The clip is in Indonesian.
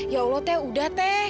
ya allah teh udah teh